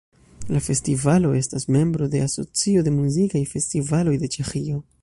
La festivalo estas membro de Asocio de muzikaj festivaloj de Ĉeĥio.